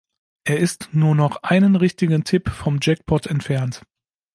Er ist nur noch einen richtigen Tipp vom Jackpot entfernt.